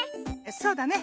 そうだね。